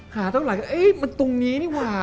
เท่าไหร่ก็เอ๊ะมันตรงนี้นี่หว่า